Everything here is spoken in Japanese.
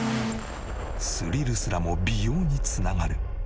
スリルすらも美容に繋がる。